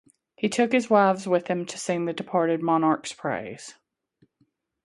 He took his wives with him to sing the departed monarch's praise.